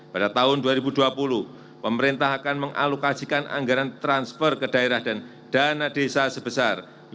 pada tahun dua ribu dua puluh pemerintah akan mengalokasikan anggaran transfer ke daerah dan dana desa sebesar